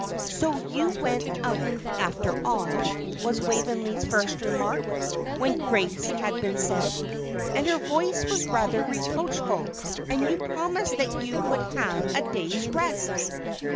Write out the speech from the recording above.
"So you went out, after all?" was Waveney's first remark, when grace had been said; and her voice was rather reproachful. "And you promised that you would have a day's rest!"